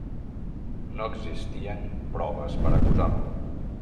No existien proves per acusar-lo.